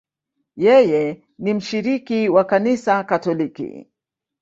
Yeye ni mshiriki wa Kanisa Katoliki.